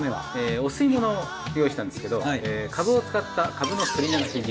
お吸い物を用意したんですけどカブを使ったカブのすりながし汁。